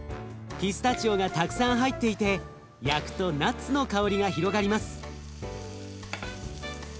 ピスタチオがたくさん入っていて焼くとナッツの香りが広がります。